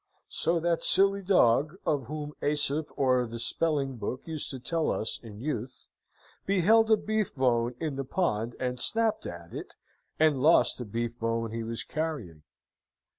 So that silly dog (of whom Aesop or the Spelling book used to tell us in youth) beheld a beef bone in the pond, and snapped at it, and lost the beef bone he was carrying.